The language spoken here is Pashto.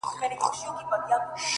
چي هغه تللې ده نو ته ولي خپه يې روحه”